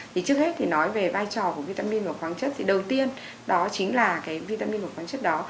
thì trước hết thì nói về vai trò của vitamin và khoáng chất thì đầu tiên đó chính là cái vitamin của khoáng chất đó